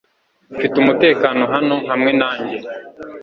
Ufite umutekano hano hamwe nanjye .